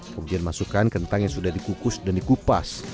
kemudian masukkan kentang yang sudah dikukus dan dikupas